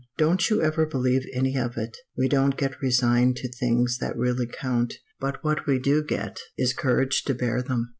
Don't you ever believe any of it. We don't get resigned to things that really count. But what we do get, is courage to bear them.